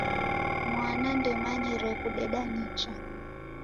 Mwana ndemanyire kudeda nicha.